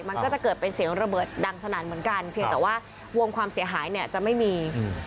มันก็จะเกิดเป็นเสียงระเบิดดังสนั่นเหมือนกันเพียงแต่ว่าวงความเสียหายเนี่ยจะไม่มี